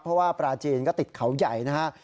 เพราะว่าปลาจีนก็ติดเขาใหญ่นะฮะ